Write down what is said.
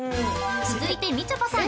［続いてみちょぱさん。